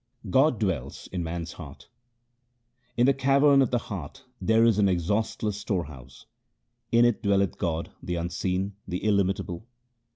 God dwells in man's heart :— In the cavern of the heart there is an exhaustless store house : In it dwelleth God, the unseen, the illimitable.